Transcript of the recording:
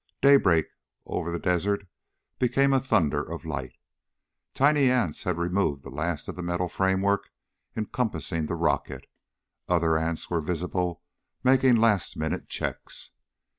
Daybreak over the desert became a thunder of light. Tiny ants had removed the last of the metal framework encompassing the rocket. Other ants were visible making last minute cheeks.